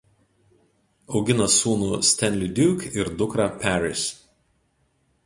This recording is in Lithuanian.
Augina sūnų Stanley Duke ir dukrą Paris.